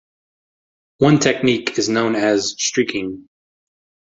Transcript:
One technique is known as "streaking".